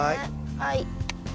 はい。